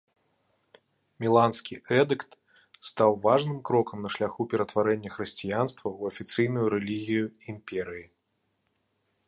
Міланскі эдыкт стаў важным крокам на шляху ператварэння хрысціянства ў афіцыйную рэлігію імперыі.